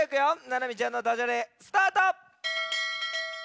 ななみちゃんのダジャレスタート！